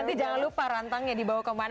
nanti jangan lupa rantangnya dibawa kemana